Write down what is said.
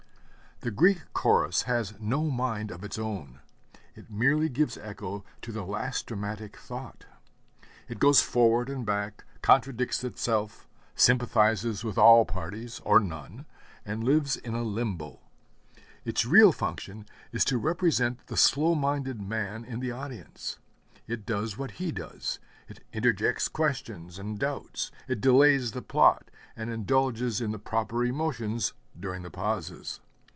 The Greek Chorus has no mind of its own; it merely gives echo to the last dramatic thought. It goes forward and back, contradicts itself, sympathizes with all parties or none, and lives in a limbo. Its real function is to represent the slow minded man in the audience. It does what he does, it interjects questions and doubts, it delays the plot and indulges in the proper emotions during the pauses.